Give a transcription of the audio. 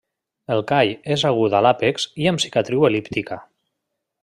El call és agut a l'àpex i amb cicatriu el·líptica.